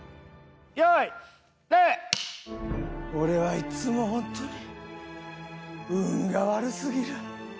俺はいつも本当に運が悪すぎる！